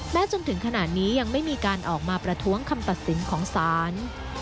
จนถึงขณะนี้ยังไม่มีการออกมาประท้วงคำตัดสินของศาล